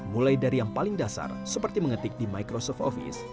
mulai dari yang paling dasar seperti mengetik di microsoft office